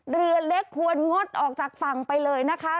เรือเล็กควรงดออกจากฝั่งไปเลยนะคะ